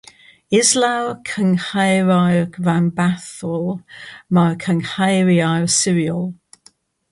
Islaw'r cynghreiriau rhanbarthol mae'r cynghreiriau sirol.